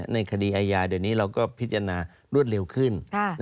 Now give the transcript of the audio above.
ในคดีอาญาเดี๋ยวนี้เราก็พิจารณารวดเร็วขึ้น